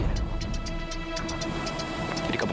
jadi kamu tidak perlu khawatir